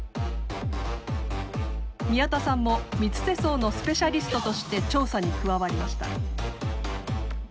宮田さんも三ツ瀬層のスペシャリストとして調査に加わりました。